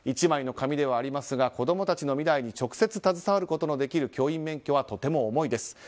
１枚の紙ではありますが子供たちの未来に直接携わることのできる教員免許はとっても重いです。